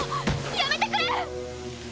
やめてくれ！